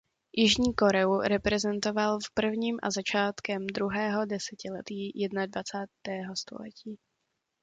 Jižní Koreu reprezentoval v prvním a začátkem druhého desetiletí jednadvacátého století.